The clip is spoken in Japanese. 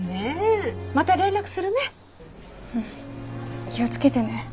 うん気を付けてね。